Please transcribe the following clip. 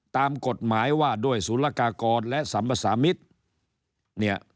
ตามกฎหมายว่าด้วยศูนยากากรและสัมภาษามิตรเนี่ย